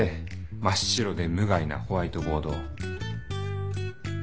真っ白で無害なホワイトボードを。